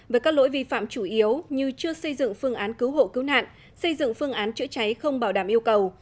với các lỗi vi phạm chủ yếu như chưa xây dựng phương án cứu hộ cứu nạn xây dựng phương án chữa cháy không bảo đảm yêu cầu